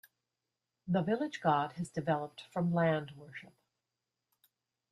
The Village God has developed from land worship.